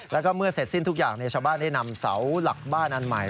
แล้วก็เมื่อเสร็จสิ้นทุกอย่างชาวบ้านได้นำเสาหลักบ้านอันใหม่